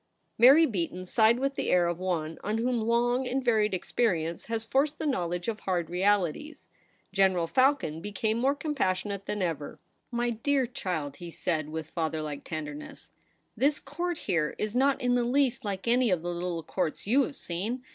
Mary Beaton sighed with the air of one on whom long and varied experience has forced the knowledge of hard realities. General Falcon became more compassionate than ever. ' My dear child,' he said, with father like tenderness, 'this Court here is not in the least like any of the little Courts you have seen.